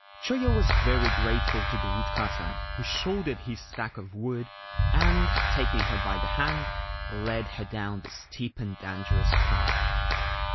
Choyo was very grateful to the woodcutter, who 210 A Story of Mount Kanzanrei shouldered his stack of wood, and, taking her by the hand, led her down the steep and dangerous path.